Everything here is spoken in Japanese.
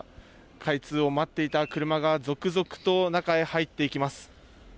開通を待っていた車が、続々と中へ入っていきます。